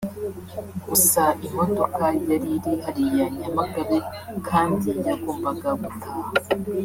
Gusa imodoka yari iri hariya(Nyamagabe) kandi yagombaga gutaha